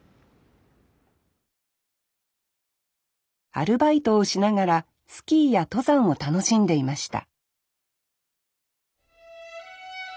アルバイトをしながらスキーや登山を楽しんでいました